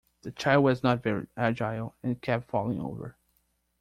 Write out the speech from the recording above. The child was not very agile, and kept falling over